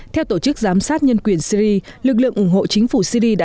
theo tổ chức giám sát nhân quyền syri lực lượng ủng hộ chính phủ syri đã tiến vào khu vực này